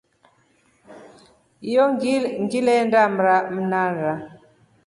Iyo ngilenda mndana.